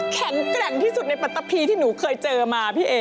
แข็งแกร่งที่สุดในปัตตะพีที่หนูเคยเจอมาพี่เอ๋